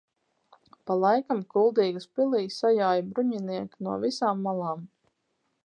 Pa laikam Kuldīgas pilī sajāja bruņinieki no visām malām.